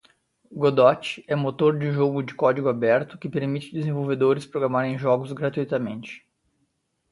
Godot é motor de jogo de código aberto que permite desenvolvedores programarem jogos gratuitamente